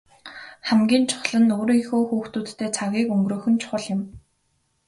Хамгийн чухал нь өөрийнхөө хүүхдүүдтэйгээ цагийг өнгөрөөх нь чухал юм.